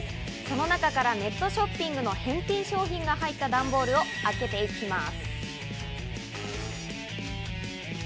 その中からネットショッピングの返品商品が入った段ボールを開けていきます。